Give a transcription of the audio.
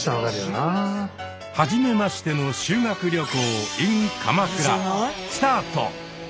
はじめましての修学旅行ｉｎ鎌倉スタート！